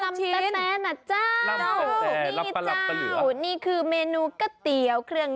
มันเยอะไปนะบ้ายตรอง